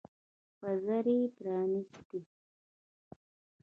وزرې يې پرانيستې.